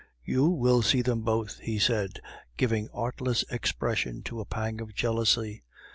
"You will see them both!" he said, giving artless expression to a pang of jealousy.